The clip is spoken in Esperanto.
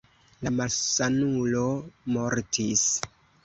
La malsanulo mortis.